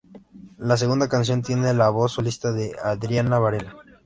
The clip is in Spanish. La segunda canción tiene la voz solista de Adriana Varela.